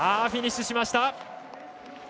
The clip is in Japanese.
フィニッシュしました。